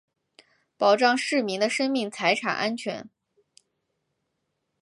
保障市民的生命财产安全